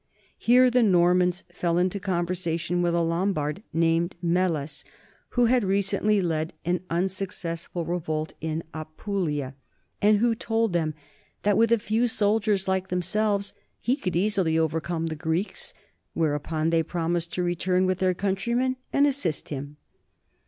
Here the Normans fell into conversation with a Lombard named Meles, who had recently led an unsuccessful revolt in Apulia THE NORMANS IN THE SOUTH 199 and who told them that with a few soldiers like them selves he could easily overcome the Greeks, whereupon they promised to return with their countrymen and as sist him.